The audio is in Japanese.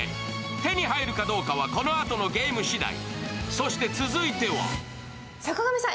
手に入るかどうかはこのあとのゲームしだい。